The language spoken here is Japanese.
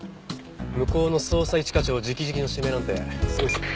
向こうの捜査一課長直々の指名なんてすごいですね。